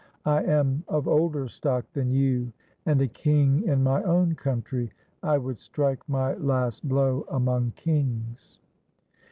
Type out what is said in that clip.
I am of older stock than you, and a king in my own country. I would strike my last blow among kings."